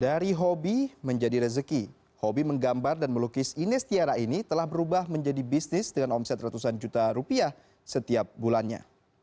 dari hobi menjadi rezeki hobi menggambar dan melukis ines tiara ini telah berubah menjadi bisnis dengan omset ratusan juta rupiah setiap bulannya